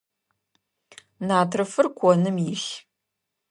Натрыфыр коным илъ.